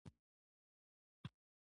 سړي وویل پهلوان ابراهیم توپ ته وتړل شو.